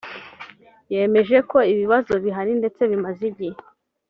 yemeje ko ibi bibazo bihari ndetse bimaze igihe